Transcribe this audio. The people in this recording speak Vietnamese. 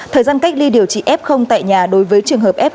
thời gian cách ly điều trị f tại nhà đối với trường hợp covid một mươi chín